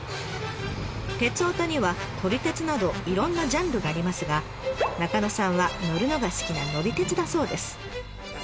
鉄オタには「撮り鉄」などいろんなジャンルがありますが中野さんは乗るのが好きな「乗り鉄」だそうです。